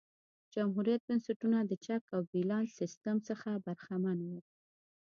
جمهوريت بنسټونه د چک او بیلانس سیستم څخه برخمن وو.